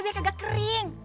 biar kagak kering